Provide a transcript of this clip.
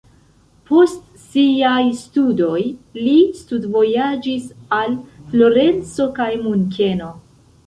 Post siaj studoj li studvojaĝis al Florenco kaj Munkeno.